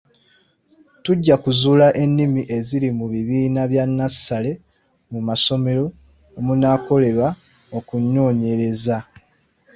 Tujja kuzuula ennimi eziri mu bibiina bya nnassale mu masomero omunaakolerwa okunoonyereza.